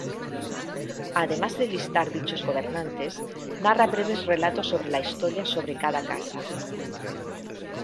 Además de listar dichos gobernantes, narra breves relatos sobre la historia sobre cada casa.